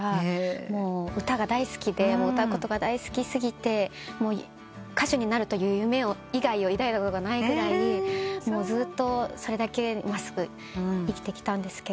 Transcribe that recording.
もう歌が大好きで歌うことが大好き過ぎて歌手になるという夢以外を抱いたことがないぐらいずっとそれだけ真っすぐ生きてきたんですけど。